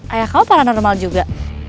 ayah kamu paranormal juga